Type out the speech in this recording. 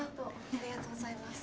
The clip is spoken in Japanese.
ありがとうございます。